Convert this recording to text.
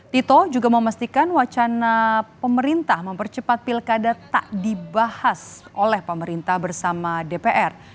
tito juga memastikan wacana pemerintah mempercepat pilkada tak dibahas oleh pemerintah bersama dpr